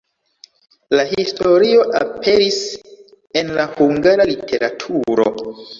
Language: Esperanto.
La historio aperis en la hungara literaturo.